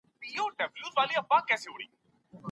فتح خان د تورې په مټ واکمني ترلاسه کړه.